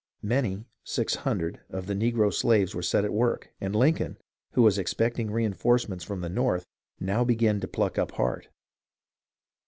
Many (600) of the negro slaves were set at work, and Lincoln, who was expecting reen forcements from the North, now began to pluck up heart.